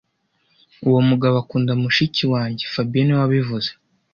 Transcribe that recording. Uwo mugabo akunda mushiki wanjye fabien niwe wabivuze